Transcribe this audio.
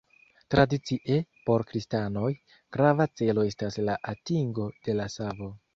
Tradicie, por kristanoj, grava celo estas la atingo de la savo.